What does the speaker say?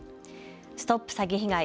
ＳＴＯＰ詐欺被害！